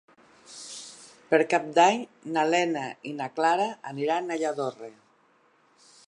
Per Cap d'Any na Lena i na Clara aniran a Lladorre.